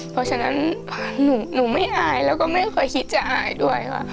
เพราะฉะนั้นหนูไม่อายแล้วก็ไม่เคยคิดจะอายด้วยค่ะ